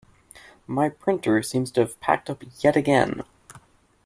My printer seems to have packed up yet again.